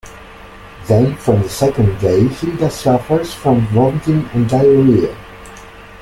Then, from the second day, Hilda suffers from vomiting and diarrhoea.